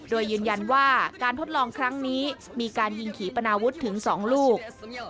โดยยืนยันว่าการทดลองครั้งนี้มีการยิงขี่ปนาวุฒิถึง๒ลูก